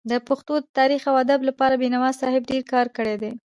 د پښتو د تاريخ او ادب لپاره بينوا صاحب ډير کار کړی دی.